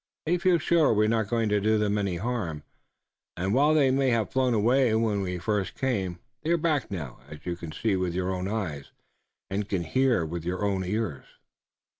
They feel sure we are not going to do them any harm, and while they may have flown away when we first came they are back now, as you can see with your own eyes, and can hear with your own ears."